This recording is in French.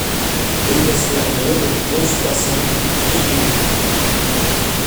Rue Esclarmonde, onze, trois cents Limoux